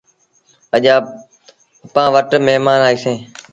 اڄ اَپآن وٽ مهمآݩ آئيٚسي۔